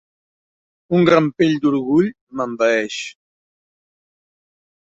Un rampell d'orgull m'envaeix.